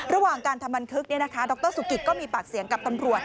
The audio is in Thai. ระหว่างการทำบันทึกดรสุกิตก็มีปากเสียงกับตำรวจ